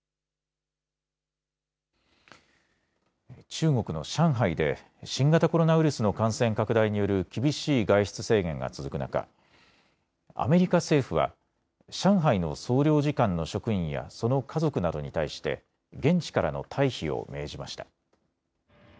中国の上海で新型コロナウイルスの感染拡大による厳しい外出制限が続く中、アメリカ政府は上海の総領事館の職員やその家族などに対して現地からの退避を命じました。